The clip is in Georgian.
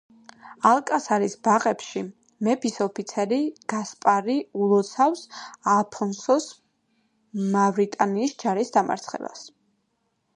ალკასარის ბაღებში, მეფის ოფიცერი გასპარი ულოცავს ალფონსოს მავრიტანიის ჯარის დამარცხებას.